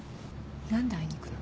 何で会いに行くの？